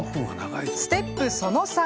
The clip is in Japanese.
ステップその３。